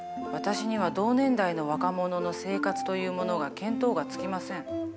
私には同年代の若者の生活というものが見当がつきません。